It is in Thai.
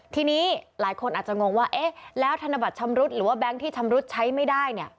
ทีนี้หลายคนอาจจะงงว่าเอ๊ะแล้วธนบัตรชำรุดหรือว่าแบงค์ที่ชำรุดใช้ไม่ได้